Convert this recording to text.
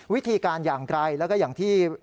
วิธีการอย่างไกลแล้วก็อย่างที่